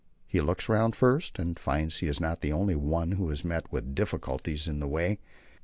He looks round first and finds he is not the only one who has met with difficulties in the way.